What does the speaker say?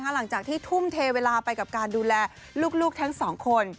หลังจากที่ทุ่มเทเวลาไปกับการดูแลลูกทั้งสองคน